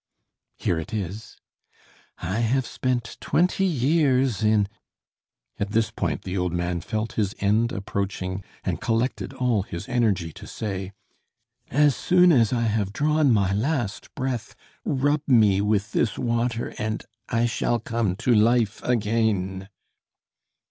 "Here it is." "I have spent twenty years in " At this point the old man felt his end approaching, and collected all his energy to say: "As soon as I have drawn my last breath rub me with this water and I shall come to life again."